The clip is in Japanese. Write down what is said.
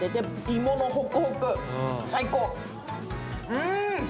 うん！